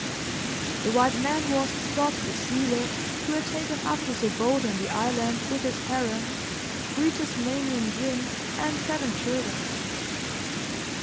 The white man was Scott, the sealer, who had taken up is abode on the island with his harem, three Tasmanian gins and seven children.